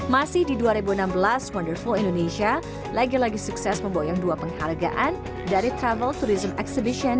masih di dua ribu enam belas wonderful indonesia lagi lagi sukses memboyong dua penghargaan dari travel tourism exhibition